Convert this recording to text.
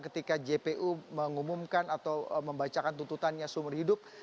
ketika jpu mengumumkan atau membacakan tuntutannya seumur hidup